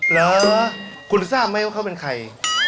แล้วคุณทราบไหมว่าเขาเป็นใคร